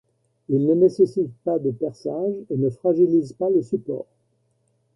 Il ne nécessite pas de perçage et ne fragilise pas le support.